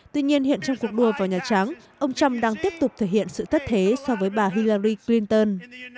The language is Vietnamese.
tuy nhiên hiện trong cuộc đua vào nhà trắng ông trump đang tiếp tục thể hiện sự thất thế so với bà hilary clinton